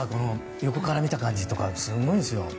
横から見た感じとかすごいでしょ？